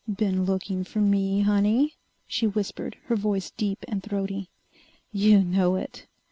"Been looking for me, honey?" she whispered, her voice deep and throaty. "You know it!"